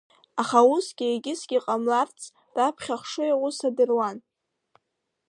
Аха усгьы егьысгьы ҟамларц, раԥхьа ахшыҩ аус адыруан…